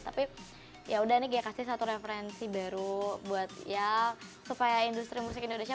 tapi yaudah nih ghea kasih satu referensi baru buat ya supaya industri musik indonesia